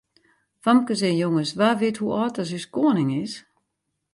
Famkes en jonges, wa wit hoe âld as ús koaning is?